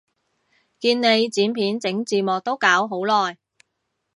見你剪片整字幕都搞好耐